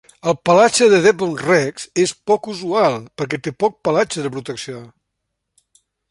El pelatge del Devon Rex és poc usual perquè té poc pelatge de protecció.